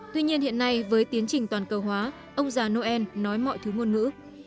tuy nhiên hiện nay với tiến trình toàn cầu hóa ông già noel nói mọi thứ ngôn ngữ